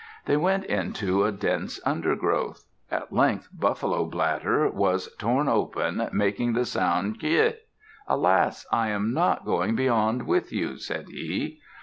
They went into a dense undergrowth. At length Buffalo Bladder was torn open, making the sound, "Qu´e." "Alas! I am not going beyond with you," said he.